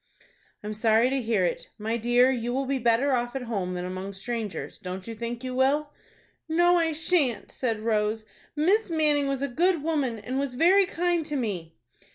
"I'm sorry to hear it. My dear, you will be better off at home than among strangers. Don't you think you will?" "No, I shan't," said Rose. "Miss Manning was a good woman, and was very kind to me."